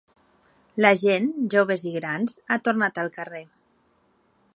La gent, joves i grans, ha tornat al carrer.